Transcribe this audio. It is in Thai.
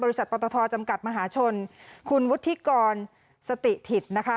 บริษัทปธจำกัดมหาชนคุณวุฒิกรสติถิดนะคะ